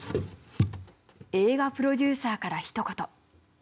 映画プロデューサーからひと言。